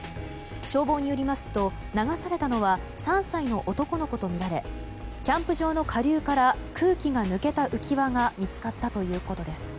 消防によりますと流されたのは３歳の男の子とみられキャンプ場の下流から空気が抜けた浮き輪が見つかったということです。